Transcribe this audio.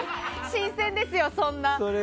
新鮮ですよ、そんな。